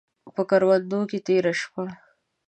پۀ کروندو تیره شه